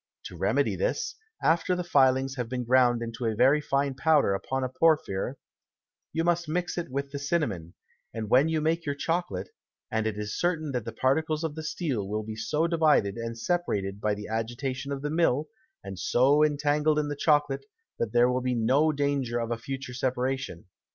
To remedy this, after the Filings have been ground into a very fine Powder upon a Porphyry; you must mix it with the Cinnamon, when you make your Chocolate, and it is certain that the Particles of the Steel will be so divided and separated by the Agitation of the Mill, and so entangled in the Chocolate, that there will be no danger of a future Separation.